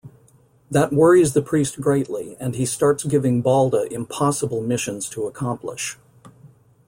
That worries the priest greatly and he starts giving Balda impossible missions to accomplish.